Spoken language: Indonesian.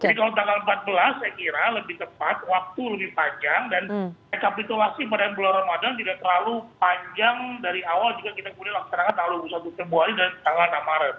jadi kalau tanggal empat belas saya kira lebih tepat waktu lebih panjang dan rekapitulasi pada bulan ramadan tidak terlalu panjang dari awal jika kita kemudian laksanakan tahun dua puluh satu februari dan tanggal enam maret